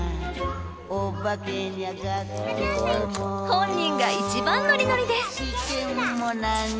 本人が一番ノリノリです。